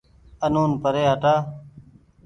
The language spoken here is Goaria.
آنون پري هٽآ